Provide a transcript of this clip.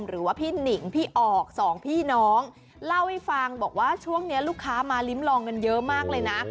หรือว่าพี่หนิงพี่ออกสองพี่น้องเล่าให้ฟังบอกว่าช่วงนี้ลูกค้ามาลิ้มลองกันเยอะมากเลยนะ